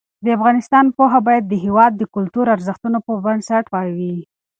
د افغانستان پوهه باید د هېواد د کلتور او ارزښتونو پر بنسټ وي.